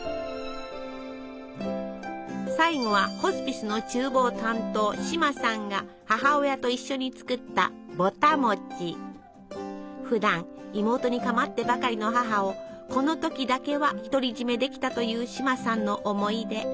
最後はホスピスのちゅう房担当シマさんが母親と一緒に作ったふだん妹にかまってばかりの母をこの時だけは独り占めできたというシマさんの思い出。